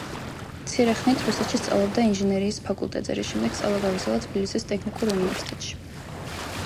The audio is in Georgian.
მცირე ხნით რუსეთში სწავლობდა ინჟინერიის ფაკულტეტზე, რის შემდეგ სწავლა გააგრძელა თბილისის ტექნიკურ უნივერსიტეტში.